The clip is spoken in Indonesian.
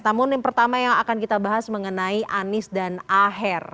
namun yang pertama yang akan kita bahas mengenai anies dan aher